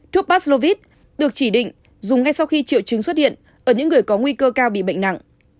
thuốc paslovit được chỉ định dùng ngay sau khi triệu chứng xuất hiện ở những người có nguy cơ cao bị bệnh nặng